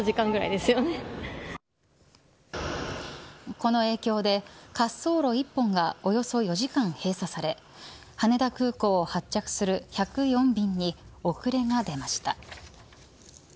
この影響で滑走路１本がおよそ４時間閉鎖され羽田空港を発着する１０４便に遅れが出ました。